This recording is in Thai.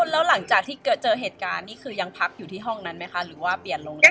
แล้วหลังจากที่เจอเหตุการณ์นี่คือยังพักอยู่ที่ห้องนั้นไหมคะหรือว่าเปลี่ยนโรงแรม